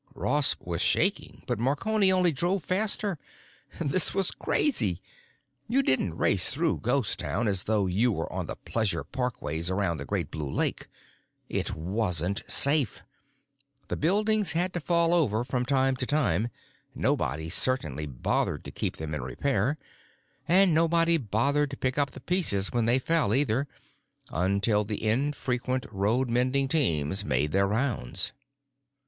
Ross was shaking, but Marconi only drove faster. This was crazy! You didn't race through Ghost Town as though you were on the pleasure parkways around the Great Blue Lake; it wasn't safe. The buildings had to fall over from time to time—nobody, certainly, bothered to keep them in repair. And nobody bothered to pick up the pieces when they fell, either, until the infrequent road mending teams made their rounds.